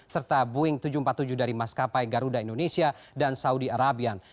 serta boeing tujuh ratus empat puluh tujuh dari maskapai garuda indonesia dan saudi arabian